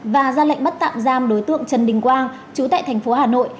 và ra lệnh bắt tạm giam đối tượng trần đình quang chú tại thành phố hà nội